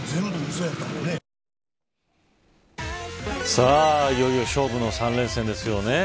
さあ、いよいよ勝負の３連戦です。